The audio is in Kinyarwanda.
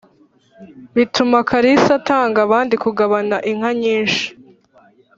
Bituma kalisa atanga abandi kugabana inka nyinshi.